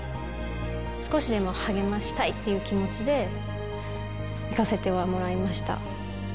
少しでも励ましたいっていう気持ちで、行かせてはもらいました。